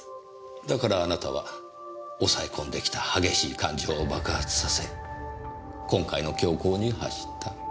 だからあなたは抑え込んできた激しい感情を爆発させ今回の凶行に走った。